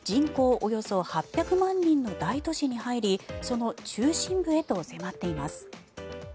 およそ８００万人の大都市に入りその中心部へと迫っています。